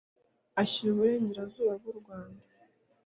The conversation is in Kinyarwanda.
ashyira uburengerazuba bw u rwanda